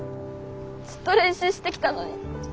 ずっと練習してきたのに。